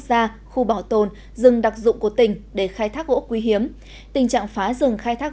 gia khu bảo tồn rừng đặc dụng của tỉnh để khai thác gỗ quý hiếm tình trạng phá rừng khai thác